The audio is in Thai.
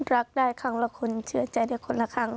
รักได้ครั้งละคนเชื่อใจได้คนละครั้ง